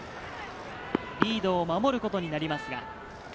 リードを守ることになります。